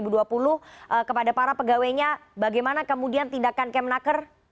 kepada para pegawainya bagaimana kemudian tindakan kemnaker